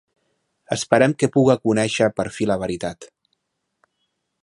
Esperem que puga conéixer per fi la veritat.